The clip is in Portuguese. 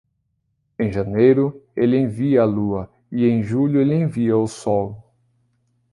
Em janeiro, ele envia a lua e em julho ele envia o sol.